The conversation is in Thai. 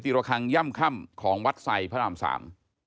ระคังย่ำค่ำของวัดไซดพระรามสาม